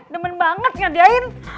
demen banget ngadiain